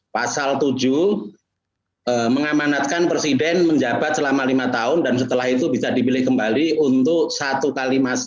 pasal tujuh mengamanatkan presiden menjabat selama lima tahun dan setelah itu bisa dipilih kembali untuk satu kali masa